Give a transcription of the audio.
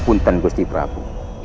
apunten gusti prabu